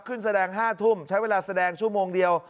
แสดง๕ทุ่มใช้เวลาแสดงชั่วโมงเดียว